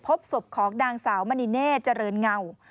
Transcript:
พบศพของนางสาวมณีเน่เจริญเงา